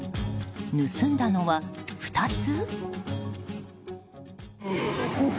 盗んだのは２つ？